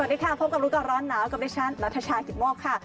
สวัสดีค่ะพบกับรู้ก่อนร้อนหนาวกับดิฉันนัทชายกิตโมกค่ะ